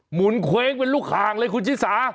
หุนเคว้งเป็นลูกคางเลยคุณชิสา